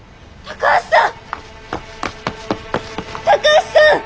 高橋さん！